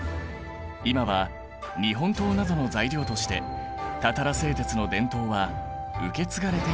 今は日本刀などの材料としてたたら製鉄の伝統は受け継がれているんだ。